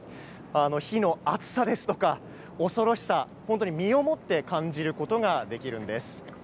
火の熱さですとか恐ろしさを身をもって感じることができるんです。